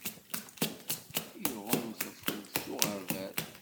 Iɣumm tafugt s uɣerbal.